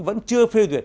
vẫn chưa phê duyệt